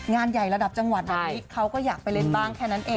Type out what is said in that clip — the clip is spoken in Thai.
งานใหญ่ระดับจังหวัดแบบนี้เขาก็อยากไปเล่นบ้างแค่นั้นเอง